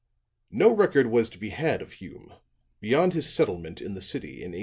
"'No record was to be had of Hume, beyond his settlement in the city in 1899.